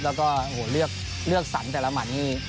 แล้วก็เลือกสรรแต่ละหมัดนี่